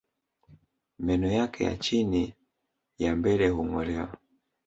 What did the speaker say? Meno yake ya chini ya mbele hungolewa